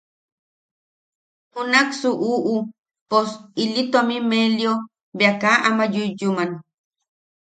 Junaksu uʼu pos ili tomi melio bea ka ama yuyyuman.